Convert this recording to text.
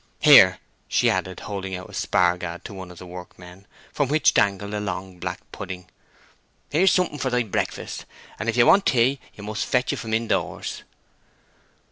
Here," she added, holding out a spar gad to one of the workmen, from which dangled a long black pudding—"here's something for thy breakfast, and if you want tea you must fetch it from in doors."